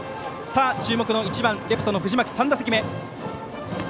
さあ、注目の１番レフト、藤巻の３打席目。